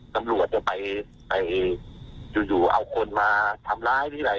ตำรวจจะไปอยู่เอาคนมาทำร้ายหรืออะไร